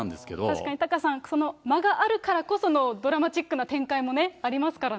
確かにタカさん、その間があるからこそのドラマチックな展開もね、ありますからね。